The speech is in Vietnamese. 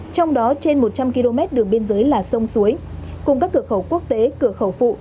trong đó trên một trăm linh km đường biên giới là sông suối cùng các cửa khẩu quốc tế cửa khẩu phụ